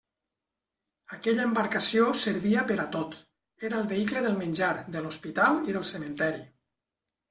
Aquella embarcació servia per a tot; era el vehicle del menjar, de l'hospital i del cementeri.